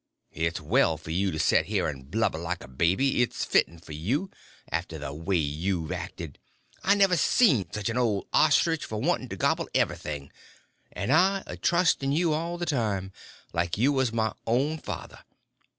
It's well for you to set there and blubber like a baby—it's fitten for you, after the way you've acted. I never see such an old ostrich for wanting to gobble everything—and I a trusting you all the time, like you was my own father.